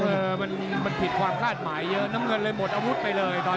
เออมันผิดความคาดหมายเยอะน้ำเงินเลยหมดอาวุธไปเลยตอน